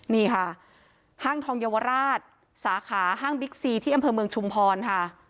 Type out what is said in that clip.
นี่ค่ะห้างทองเยาวราชสาขาห้างบิ๊กซีที่อำเภอเมืองชุมพรค่ะ